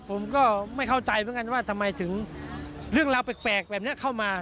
ผมก็ไม่เข้าใจเหมือนกันว่าทำไมถึงเรื่องราวแปลกแบบนี้เข้ามา